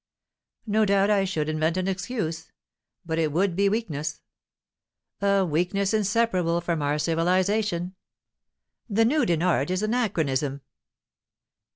"No doubt I should invent an excuse. But it would be weakness." "A weakness inseparable from our civilization. The nude in art is an anachronism."